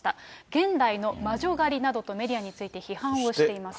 現代の魔女狩りなどと、メディアについて批判をしています。